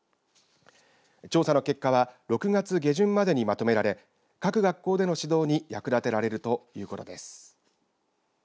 調査の結果は６月下旬までにまとめられ各学校での指導に役立てられるということです。